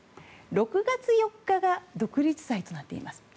６月４日が独立祭となっています。